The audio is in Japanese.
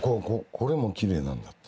これもきれいなんだって。